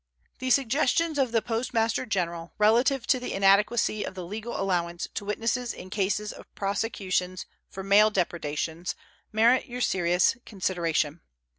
The suggestions of the Postmaster General relative to the inadequacy of the legal allowance to witnesses in cases of prosecutions for mail depredations merit your serious consideration.